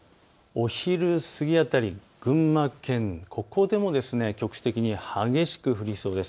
お昼過ぎ辺り、群馬県、ここでも局地的に激しく降りそうです。